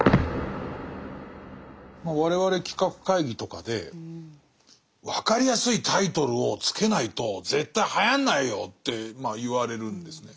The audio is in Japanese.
我々企画会議とかでわかりやすいタイトルを付けないと絶対はやんないよって言われるんですね。